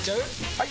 ・はい！